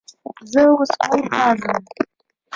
زه اوس کور ته ځمه.